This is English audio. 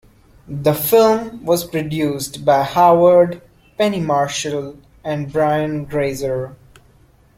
The film was produced by Howard, Penny Marshall, and Brian Grazer.